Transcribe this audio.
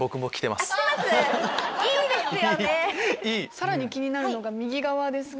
さらに気になるのが右側ですけど。